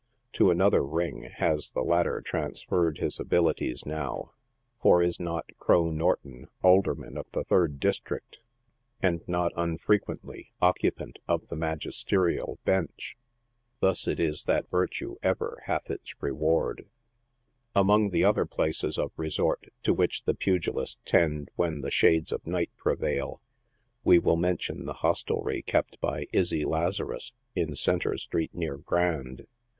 To another " ring" has the latter trans ferred his abilities now, for is not u Crow" Norton Alderman of the Third District, and, not unirequently, occupant of the magisterial bench ? Thus it is that virtue ever hath its reward Among the other places of resort to which the pugilists tend when the shades of night prevail, we will mention the hostelrie kept by Izzy Lazarus, in Centre street, near Grand.